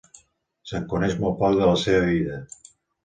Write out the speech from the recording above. Se'n coneix molt poc de la seva vida.